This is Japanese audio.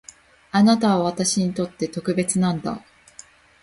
あなたは私にとって特別なんだ